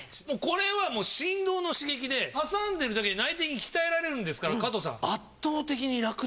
もうこれは振動の刺激で挟んでるだけで内転筋鍛えられるんですから加藤さん。